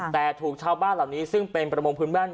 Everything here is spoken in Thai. แต่ถูกชาวบ้านเหล่านี้ซึ่งเป็นประมงพื้นแว่น